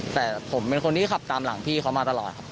แต่ผมเป็นคนที่ขับตามหลังพี่เขามาตลอดครับ